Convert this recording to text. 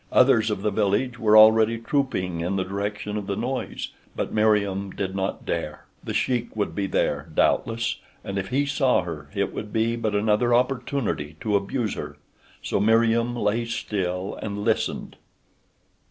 Others of the village were already trooping in the direction of the noise. But Meriem did not dare. The Sheik would be there, doubtless, and if he saw her it would be but another opportunity to abuse her, so Meriem lay still and listened.